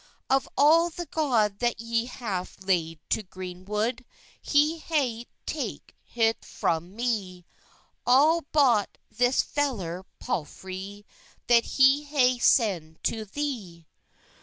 "Of all the god that y haffe lade to grene wod, He hayt take het fro me, All bot this feyr palffrey, That he hayt sende to the."